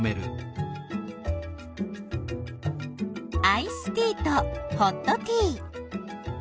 アイスティーとホットティー。